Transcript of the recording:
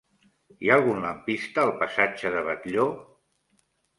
Hi ha algun lampista al passatge de Batlló?